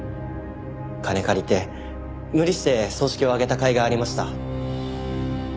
金借りて無理して葬式を挙げたかいがありました。